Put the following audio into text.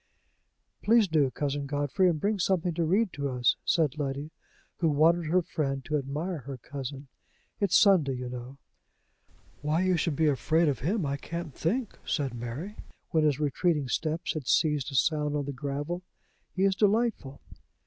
"Please do, Cousin Godfrey; and bring something to read to us," said Letty, who wanted her friend to admire her cousin. "It's Sunday, you know." "Why you should be afraid of him, I can't think," said Mary, when his retreating steps had ceased to sound on the gravel. "He is delightful!"